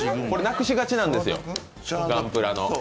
これ、なくしがちなんですよ、ガンプラの。